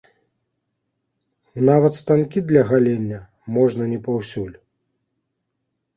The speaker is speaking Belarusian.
Нават станкі для галення можна не паўсюль.